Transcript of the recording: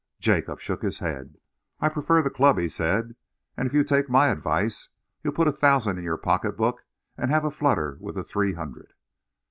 Jacob shook his head. "I prefer the Club," he said, "and if you take my advice, you'll put a thousand in your pocketbook and have a flutter with the three hundred."